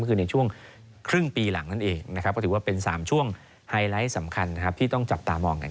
ก็คือในช่วงครึ่งปีหลังนั่นเองนะครับก็ถือว่าเป็น๓ช่วงไฮไลท์สำคัญนะครับที่ต้องจับตามองกัน